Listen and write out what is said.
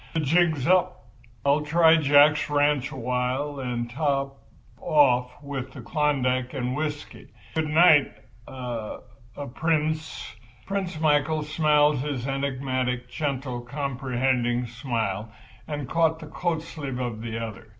The jig's up. I'll try Jack's ranch awhile and top off with the Klondike and whiskey. Good night—er—er—Prince." Prince Michael smiled his enigmatic, gentle, comprehending smile and caught the coat sleeve of the other.